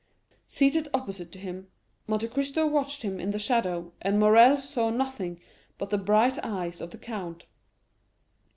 Seated opposite to him, Monte Cristo watched him in the shadow, and Morrel saw nothing but the bright eyes of the count.